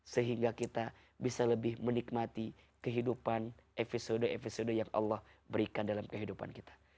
sehingga kita bisa lebih menikmati kehidupan episode episode yang allah berikan dalam kehidupan kita